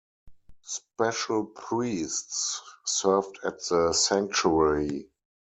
Special priests served at the sanctuary.